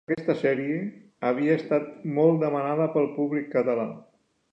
Aquesta sèrie havia estat molt demanada pel públic català.